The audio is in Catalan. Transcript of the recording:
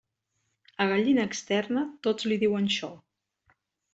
A gallina externa, tots li diuen xo.